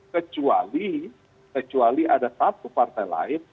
kecuali kecuali ada satu partai lain